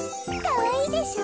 かわいいでしょ。